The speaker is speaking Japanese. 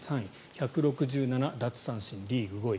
１６７奪三振、リーグ５位。